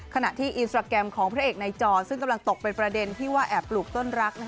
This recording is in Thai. ขณะที่อินสตราแกรมของพระเอกในจอซึ่งกำลังตกเป็นประเด็นที่ว่าแอบปลูกต้นรัก